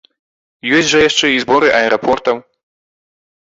Ёсць жа яшчэ і зборы аэрапортаў.